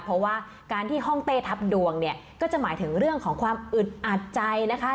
เพราะว่าการที่ห้องเต้ทับดวงเนี่ยก็จะหมายถึงเรื่องของความอึดอัดใจนะคะ